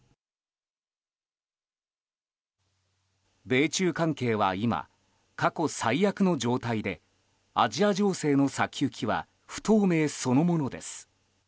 米中関係は今、過去最悪の状態でアジア情勢の先行きは不透明そのものです。